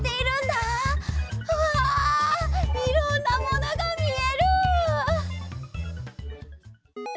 うわいろんなものがみえる！